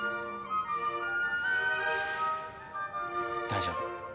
大丈夫。